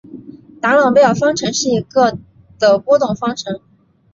达朗贝尔方程是一个的波动方程。